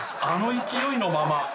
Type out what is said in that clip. あの勢いのまま。